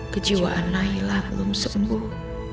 kejiwaan nailah belum sembuh